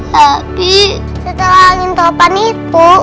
tapi setelah angin topan itu